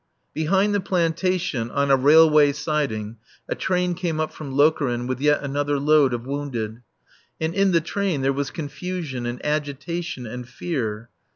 Behind the plantation, on a railway siding, a train came up from Lokeren with yet another load of wounded. And in the train there was confusion and agitation and fear.